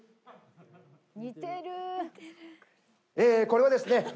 えこれはですね